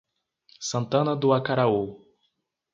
Santana do Acaraú